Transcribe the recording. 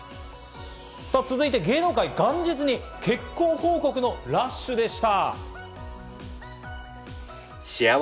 続いて芸能界、元日に結婚報告のラッシュでした。